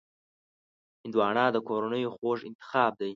هندوانه د کورنیو خوږ انتخاب دی.